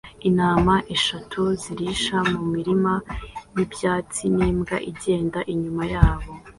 Intama eshatu zirisha mu murima wibyatsi n'imbwa igenda inyuma yabo